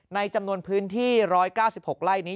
ในจำนวนพื้นที่๑๙๖ไร่นี้